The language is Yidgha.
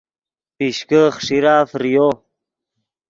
پیشکے خیݰیرہ فریو